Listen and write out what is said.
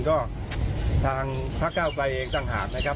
ก็ทางพระเก้าไกรเองต่างหากนะครับ